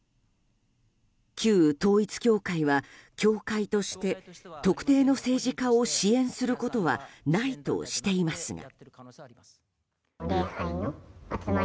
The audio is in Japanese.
旧統一教会は教会として特定の政治家を支援することはないとしていますが。